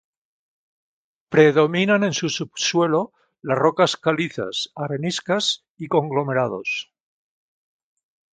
Predominan en su subsuelo las rocas calizas, areniscas y conglomerados.